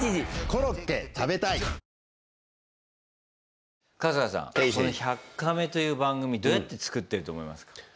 この「１００カメ」という番組どうやって作ってると思いますか？